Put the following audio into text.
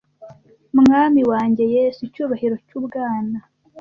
mwami wanjye yesu icyubahiro cyubwana